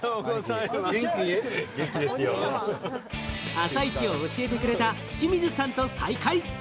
朝市を教えてくれた清水さんと再会。